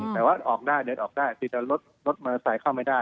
แต่ว่าออกได้เดินออกได้คือแต่รถมอเตอร์ไซค์เข้าไม่ได้